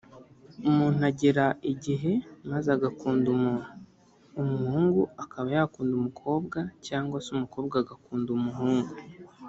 umuntu agera igihe maze agakunda umuntu ; umuhungu akaba yakunda umukobwa cyangwa se umukobwa agakunda umuhungu